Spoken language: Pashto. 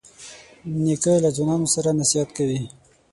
نیکه له ځوانانو سره نصیحت کوي.